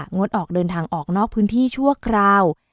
งดออกเดินทางออกนอกพื้นที่ชั่วคราว